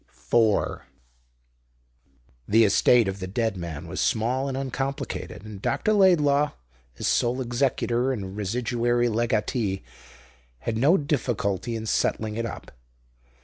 4 The estate of the dead man was small and uncomplicated, and Dr. Laidlaw, as sole executor and residuary legatee, had no difficulty in settling it up.